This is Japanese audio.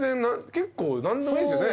結構何でもいいですよね？